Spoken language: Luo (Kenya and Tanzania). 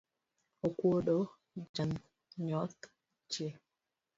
Okuodo janyodh ji.